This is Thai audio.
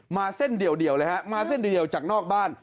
เส้นเดียวเลยฮะมาเส้นเดียวจากนอกบ้าน